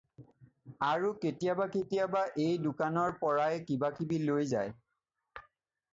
আৰু কেতিয়াবা কেতিয়াবা এই দোকানৰ পৰাই কিবাকিবি লৈ যায়।